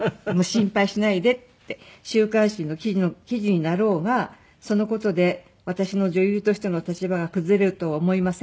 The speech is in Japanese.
「週刊誌の記事になろうがその事で私の女優としての立場が崩れるとは思いません」